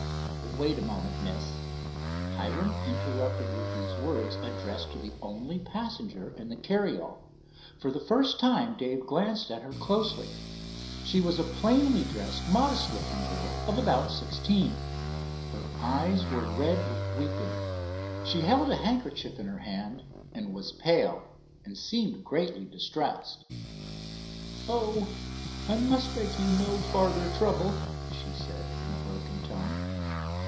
"Wait a moment, Miss." Hiram interrupted with these words, addressed to the only passenger in the carryall. For the first time Dave glanced at her closely. She was a plainly dressed, modest looking girl of about sixteen. Her eyes were red with weeping. She held a handkerchief in her hand, and was pale and seemed greatly distressed. "Oh, I must make you no farther trouble," she said, in a broken tone.